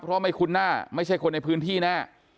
เพราะไม่คุ้นหน้าไม่ใช่คนในพื้นที่แน่